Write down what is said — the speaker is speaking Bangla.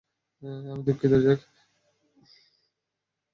আমি দুঃখিত, জ্যাক!